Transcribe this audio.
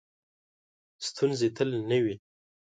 ستونزې تل نه وي .